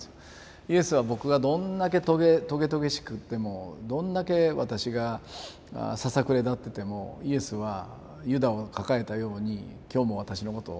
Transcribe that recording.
イエスは僕がどんだけとげとげしく言ってもどんだけ私がささくれ立っててもイエスはユダを抱えたように今日も私のことを抱きかかえてる。